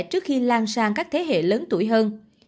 trước khi lan sang các thế hệ lớn tuổi hơn